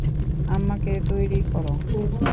আম্মাকে তৈরি করো।